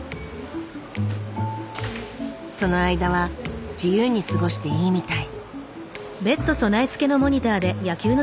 その間は自由に過ごしていいみたい。